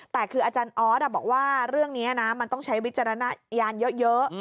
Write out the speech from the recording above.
แต่คืออาจารย์ออสบอกว่าเรื่องนี้นะมันต้องใช้วิจารณญาณเยอะ